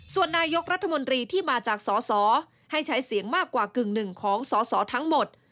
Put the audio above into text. ส่วนนายกรัฐมนตรีที่มาจากสสให้ใช้เสียงมากกว่ากึ่งหนึ่งของสอสอทั้งหมด